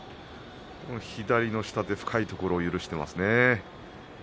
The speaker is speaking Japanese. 左の下手深いところを許していますね。